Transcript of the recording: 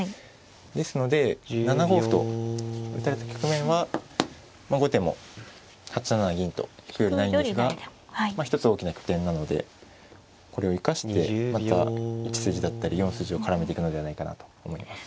ですので７五歩と打たれた局面は８七銀と引くよりないんですが一つ大きな拠点なのでこれを生かしてまた１筋だったり４筋を絡めていくのではないかなと思います。